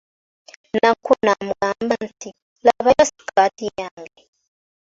Nakku n'amugamba nti, labayo sikaati yange.